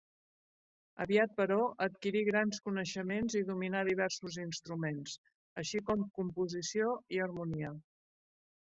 Aviat, però, adquirí grans coneixements i dominà diversos instruments, així com composició i harmonia.